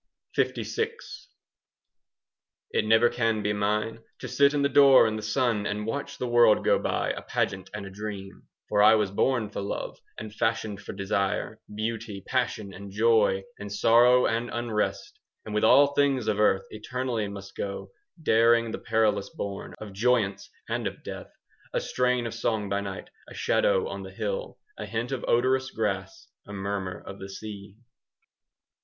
LVI It never can be mine To sit in the door in the sun And watch the world go by, A pageant and a dream; For I was born for love, 5 And fashioned for desire, Beauty, passion, and joy, And sorrow and unrest; And with all things of earth Eternally must go, 10 Daring the perilous bourn Of joyance and of death, A strain of song by night, A shadow on the hill, A hint of odorous grass, 15 A murmur of the sea.